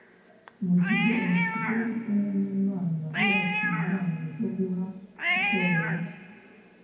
mu gihe umukiza yari kumwe n’imana yakira impano zo guha itorero rye,